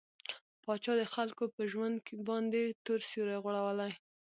پاچا د خلکو په ژوند باندې تور سيورى غوړولى.